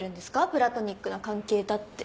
プラトニックな関係だって。